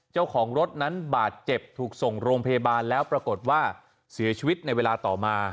เจ้าของรถนั้นบาดเจ็บถูกส่งโรงพยาบาลแล้วปรากฏว่าเสียชีวิตในเวลาต่อมา